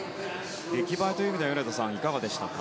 出来栄えという意味では米田さん、いかがでしたか？